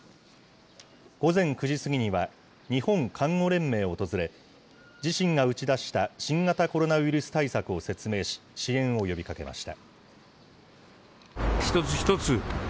午前９時過ぎには日本看護連盟を訪れ、自身が打ち出した新型コロナウイルス対策を説明し、支援を呼びかけました。